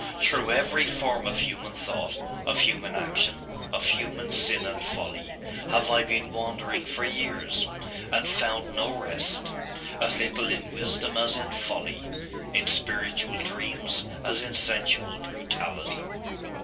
Through every form of human thought, of human action, of human sin and folly, have I been wandering for years, and found no rest as little in wisdom as in folly, in spiritual dreams as in sensual brutality.